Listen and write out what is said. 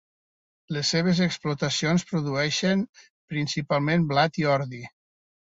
Les seves explotacions produeixen principalment blat i ordi.